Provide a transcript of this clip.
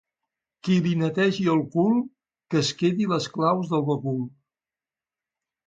Qui li netegi el cul que es quedi les claus del bagul.